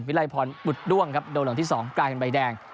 ไลพรบุดด้วงครับโดนหลังที่๒กลายเป็นใบแดง